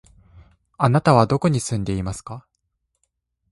あなたはどこに住んでいますか？